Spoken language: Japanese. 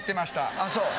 あっそう。